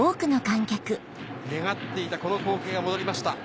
願っていたこの光景が戻りました。